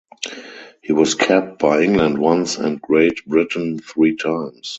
He was capped by England once and Great Britain three times.